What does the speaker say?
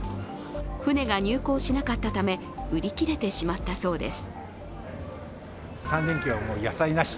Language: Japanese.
船が入港しなかったため、売り切れてしまったそうです。